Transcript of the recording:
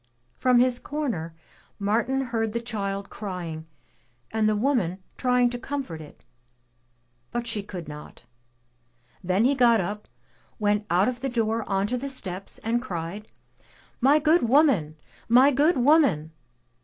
From his comer, Martin heard the child crying and the woman trying to comfort it, but she could not. Then he got up, went out of the door onto the steps and cried, "My good woman! My good woman!